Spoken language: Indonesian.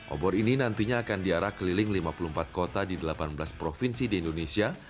obor ini nantinya akan diarah keliling lima puluh empat kota di delapan belas provinsi di indonesia